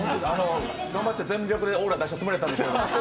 頑張って全力でオーラ出したつもりだったんですけど。